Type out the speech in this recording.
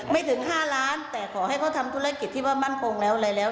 ถึง๕ล้านแต่ขอให้เขาทำธุรกิจที่ว่ามั่นคงแล้วอะไรแล้ว